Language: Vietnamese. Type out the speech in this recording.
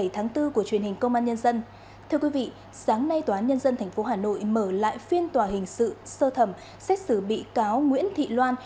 thưa quý vị sáng nay tòa án nhân dân tp hà nội mở lại phiên tòa hình sự sơ thẩm xét xử bị cáo nguyễn thị loan